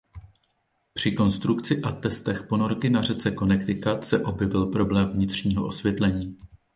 Při konstrukci a testech ponorky na řece Connecticut se objevil problém vnitřního osvětlení.